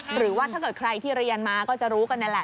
หรือว่าถ้าเกิดใครที่เรียนมาก็จะรู้กันนั่นแหละ